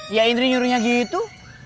ya indri nyuruhnya gitu